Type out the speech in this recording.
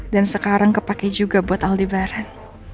dan sekarang kepake juga buat aldebaran